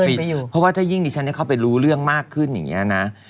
เพราะว่าถ้ายิ่งดิฉันเข้าไปรู้เรื่องมากขึ้นอย่างนี้นะ